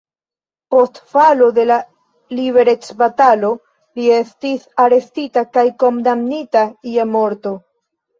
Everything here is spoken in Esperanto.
Post falo de la liberecbatalo li estis arestita kaj kondamnita je morto.